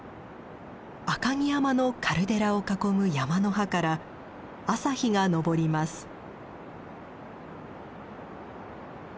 赤城山のカルデラを囲む山の端から朝日が昇ります。